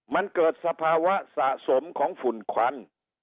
มันเกิดสภาวะสะสมของฝุ่นควัน